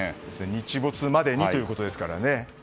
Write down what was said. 日没までにということですからね。